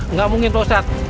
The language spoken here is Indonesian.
nggak mungkin pak ustadz